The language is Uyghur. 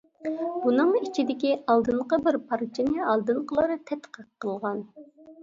بۇنىڭ ئىچىدىكى ئالدىنقى بىر پارچىنى ئالدىنقىلار تەتقىق قىلغان.